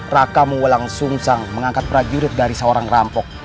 rakamu walang sungsang mengangkat prajurit dari seorang rampok